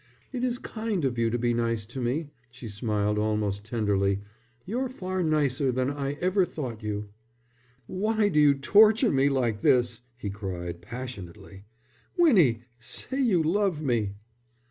"It is kind of you to be nice to me," she smiled, almost tenderly. "You're far nicer than I ever thought you." "Why do you torture me like this?" he cried, passionately. "Winnie, say you love me."